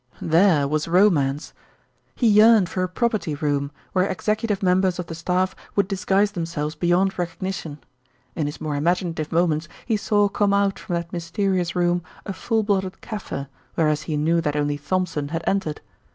There was romance. He yearned for a "property room," where executive members of the staff would disguise themselves beyond recognition. In his more imaginative moments he saw come out from that mysterious room a full blooded Kaffir, whereas he knew that only Thompson had entered.